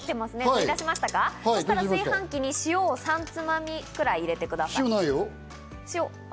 そうしましたら、炊飯器に塩を３つまみ入れてください。